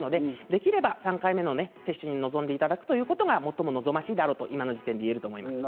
できれば３回目の接種に臨んでいただくということが最も望ましいだろうと今の時点で言えると思います。